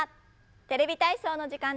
「テレビ体操」の時間です。